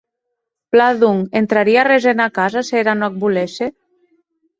Plan, donc, entrarie arrés ena casa s’era non ac volesse?